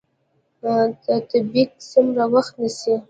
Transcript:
تطبیق څومره وخت نیسي؟